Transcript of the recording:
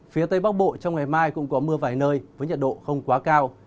phía tây bắc bộ trong ngày mai cũng có mưa vài nơi với nhiệt độ không quá cao